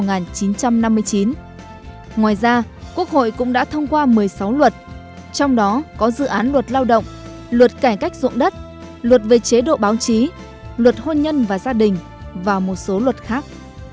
ngoài ra quốc hội cũng đã thông qua một mươi sáu luật trong đó có dự án luật lao động luật cải cách dụng đất luật về chế độ báo chí luật hôn nhân và gia đình và một số luật khác